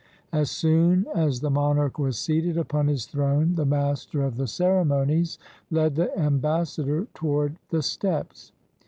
As soon as the monarch was seated upon his throne, the master of the ceremonies led the ambassador toward the steps.